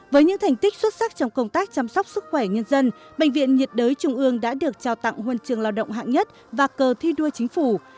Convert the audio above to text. với những thành tích xuất sắc trong công tác chăm sóc sức khỏe nhân dân bệnh viện nhiệt đới trung ương đã được trao tặng huân trường lao động hạng nhất và cờ thi đua chính phủ